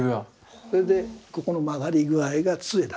それでここの曲がり具合が杖だと。